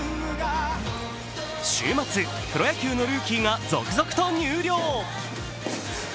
週末、プロ野球のルーキーが続々と入寮。